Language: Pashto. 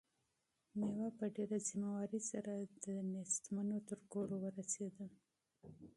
مېوه په ډېرې مینې سره د غریبانو تر کوره ورسېده.